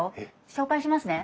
紹介しますね。